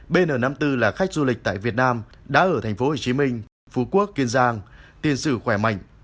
bn năm mươi bốn là khách du lịch tại việt nam đã ở tp hcm phú quốc kiên giang tiền sử khỏe mạnh